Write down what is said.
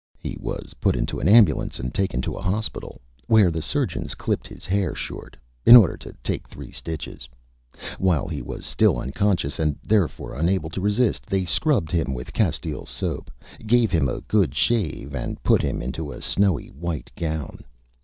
He was put into an Ambulance and taken to a Hospital, where the Surgeons clipped his Hair short, in order to take Three Stitches. While he was still Unconscious, and therefore unable to Resist, they Scrubbed him with Castile Soap, gave him a good Shave, and put him into a snowy white Gown.